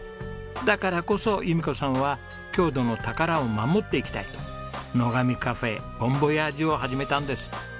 だからこそ由美子さんは郷土の宝を守っていきたいと「野上カフェ母ん母親父」を始めたんです。